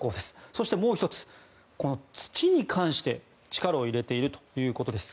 そして、もう１つこの土に関して力を入れているということです。